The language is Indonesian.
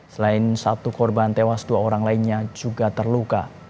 selain satu korban tewas dua orang lainnya juga terluka